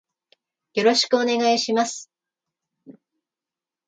よろしくお願いします。